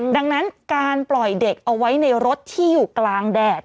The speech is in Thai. ดังนั้นการปล่อยเด็กเอาไว้ในรถที่อยู่กลางแดด